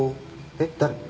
えっ誰？